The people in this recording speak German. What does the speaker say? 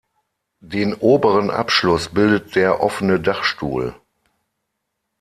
Den oberen Abschluss bildet der offene Dachstuhl.